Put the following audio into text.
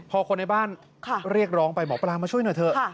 พอคนในบ้านเรียกร้องไปหมอปลามาช่วยหน่อยเถอะ